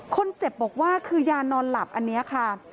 คนเจ็บบอกว่าคือยานอนหลับอันนี้ค่ะ